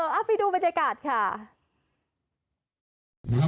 เอาไปดูบรรยากาศค่ะ